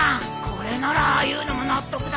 これならああ言うのも納得だぜ。